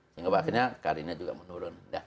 yang kewakilnya karirnya juga menurun